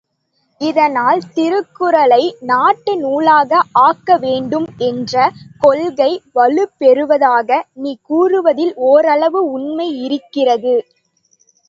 இதனால், திருக்குறளை நாட்டு நூலாக ஆக்கவேண்டும் என்ற கொள்கை வலுபெறுவதாக நீ கூறுவதில் ஓரளவு உண்மை இருக்கிறது.